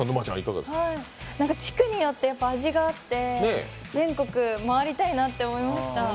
地区によって味があって全国回りたいなって思いました。